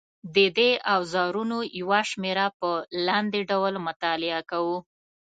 د دې اوزارونو یوه شمېره په لاندې ډول مطالعه کوو.